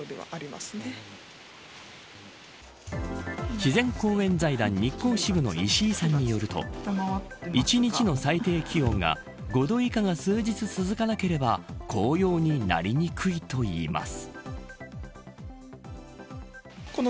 自然公園財団・日光支部の石井さんによると一日の最低気温が５度以下が数日続かなければ紅葉になりにくいといいます。